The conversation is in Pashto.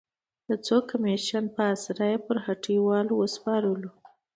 د څو کمېشن په اسره یې پر هټیوال وسپارلو.